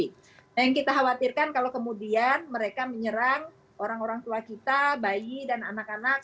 nah yang kita khawatirkan kalau kemudian mereka menyerang orang orang tua kita bayi dan anak anak